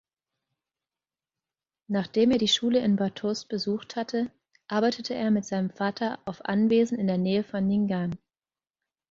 Nachdem er die Schule in Bathurst besucht hatte, arbeitete er mit seinem Vater auf Anwesen in der Nähe von Nyngan.